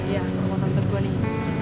ya ke rumah tante gua nih